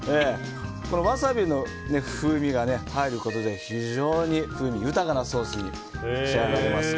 ワサビの風味が入ることで非常に風味豊かなソースに仕上がります。